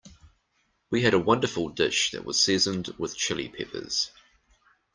We had a wonderful dish that was seasoned with Chili Peppers.